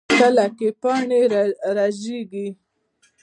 تله کې پاڼې ژیړي کیږي.